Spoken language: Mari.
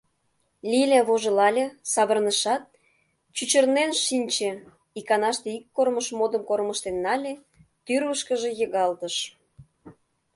Лиля вожылале, савырнышат, чӱчырнен шинче, иканаште ик кормыж модым кормыжтен нале, тӱрвышкыжӧ йыгалтыш.